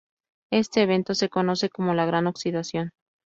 Este evento se conoce como la Gran oxidación.